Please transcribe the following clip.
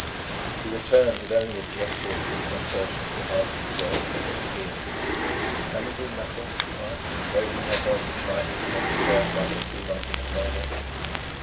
He returned with only a gesture of disconcertion to answer the girl's look of appeal. "Can we do nothing?" she asked, raising her voice a trifle to make it heard above the tumult in the corridor.